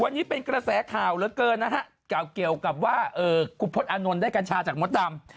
วันนี้เป็นกระแสขาวละเกินนะครับกลัวเกี่ยวกับว่าคุณพจน์อานนท์ได้กัญชาจากมะตำ